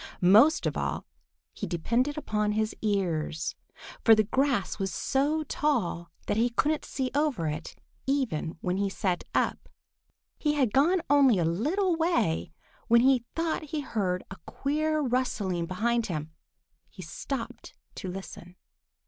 Most of all he depended upon his ears, for the grass was so tall that he couldn't see over it, even when he sat up. He had gone only a little way when he thought he heard a queer rustling behind him. He stopped to listen.